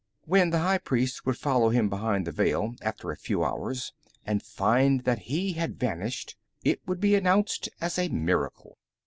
When the high priest would follow him behind the veil, after a few hours, and find that he had vanished, it would be announced as a miracle.